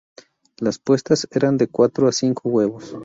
Las puestas eran de cuatro a cinco huevos.